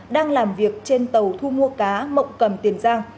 đang làm việc trên tàu thu mua cá mộng cầm tiền giang